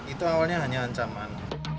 itu awalnya hanya ancaman